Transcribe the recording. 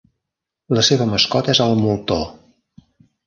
La seva mascota és el moltó.